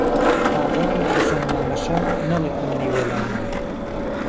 ئاغام حەسەن مامەشە نەڵێ ئەمنی وەلا نا